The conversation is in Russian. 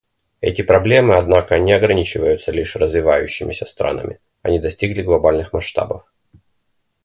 Эти проблемы, однако, не ограничиваются лишь развивающимися странами; они достигли глобальных масштабов.